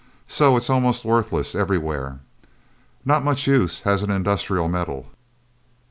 So it's almost worthless, everywhere. Not much use as an industrial metal.